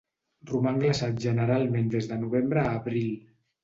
Roman glaçat generalment des de novembre a abril.